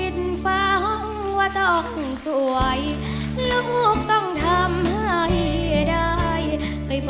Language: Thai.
ได้ครับ